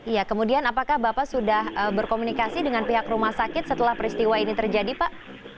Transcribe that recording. iya kemudian apakah bapak sudah berkomunikasi dengan pihak rumah sakit setelah peristiwa ini terjadi pak